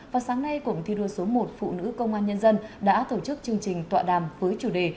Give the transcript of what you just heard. vào sáng nay cụm thi đua số một phụ nữ công an nhân dân đã tổ chức chương trình tọa đàm với chủ đề